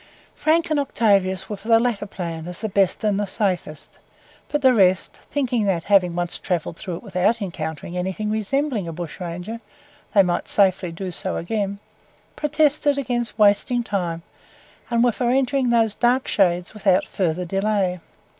Frank and Octavius were for the latter plan, as the best and safest, but the rest (thinking that, having once travelled through it without encountering any thing resembling a bushranger, they might safely do so again) protested against wasting time, and were for entering those dark shades without further delay.